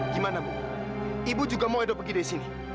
gimana bu ibu juga mau edo pergi dari sini